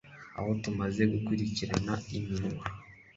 Aho tumaze gukurikirana iminwa